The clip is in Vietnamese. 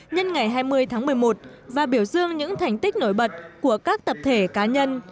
nhân ngày hai mươi tháng một mươi một và biểu dương những thành tích nổi bật của các tập thể cá nhân